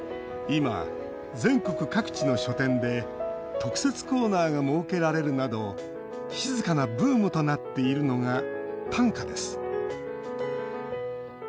今、全国各地の書店で特設コーナーが設けられるなど静かなブームとなっているのが短歌です。